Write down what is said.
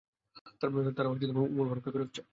তারা ওমর ফারুককে ফেরত চায়।